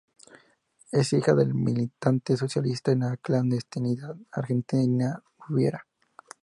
Es hija de la militante socialista en la clandestinidad Argentina Rubiera.